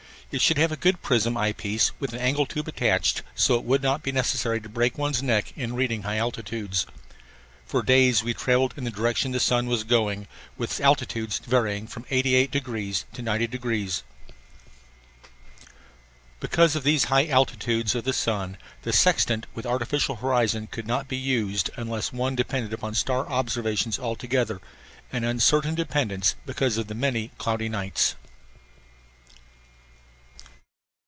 It should have a good prism eyepiece with an angle tube attached so it would not be necessary to break one's neck in reading high altitudes. For days we travelled in the direction the sun was going, with altitudes varying from 88° to 90°. Because of these high altitudes of the sun the sextant with artificial horizon could not be used unless one depended upon star observations altogether, an uncertain dependence because of the many cloudy nights.